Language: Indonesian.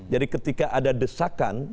jadi ketika ada desakan